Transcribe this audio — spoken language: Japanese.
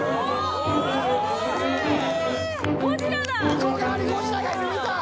向こう側にゴジラがいるみたい！